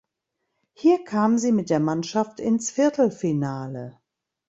Hier kam sie mit der Mannschaft ins Viertelfinale.